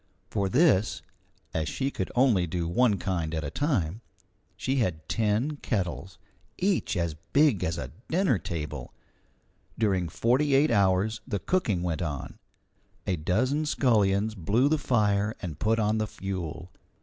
For this, as she could only do one kind at a time, she had ten kettles, each as big as a dinner table. During forty eight hours the cooking went on; a dozen scullions blew the fire and put on the fuel.